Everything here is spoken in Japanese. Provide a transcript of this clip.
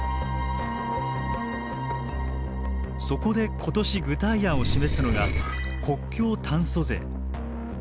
そこで今年具体案を示すのが国境炭素税。